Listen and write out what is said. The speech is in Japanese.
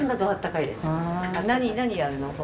何何やるの？